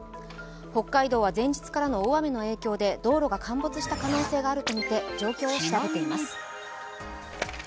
北海道は前日からの大雨の影響で道路が陥没した可能性があるとみて状況を調べています。